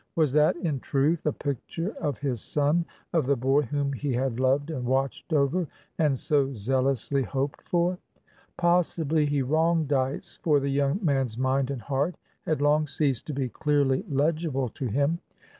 Was that in truth a picture of his son, of the boy whom he had loved and watched over and so zealously hoped for? Possibly he wronged Dyce, for the young man's mind and heart had long ceased to be clearly legible to him.